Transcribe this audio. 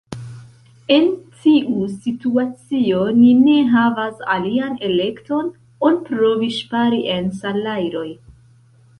En tiu situacio ni ne havas alian elekton ol provi ŝpari en salajroj.